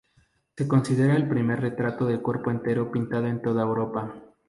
Se considera el primer retrato de cuerpo entero pintado en toda Europa.